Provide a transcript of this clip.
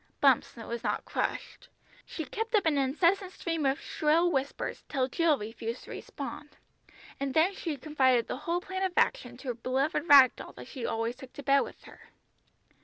Bumps was not crushed. She kept up an incessant stream of shrill whispers till Jill refused to respond, and then she confided the whole plan of action to a beloved rag doll that she always took to bed with her.